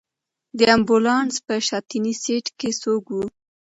د امبولانس په شاتني سېټ کې څوک و؟